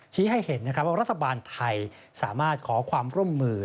ให้เห็นว่ารัฐบาลไทยสามารถขอความร่วมมือ